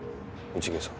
市毛さん。